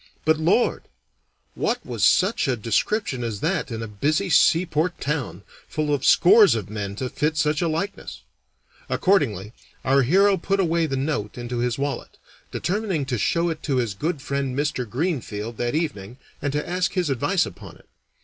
But, Lord! what was such a description as that in a busy seaport town, full of scores of men to fit such a likeness? Accordingly, our hero put away the note into his wallet, determining to show it to his good friend Mr. Greenfield that evening, and to ask his advice upon it.